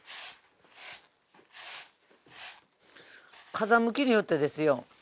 風向きによってですよ